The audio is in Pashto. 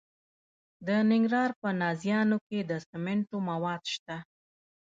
د ننګرهار په نازیانو کې د سمنټو مواد شته.